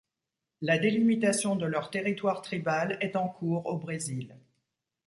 La délimitation de leur territoire tribal est en cours au Brésil.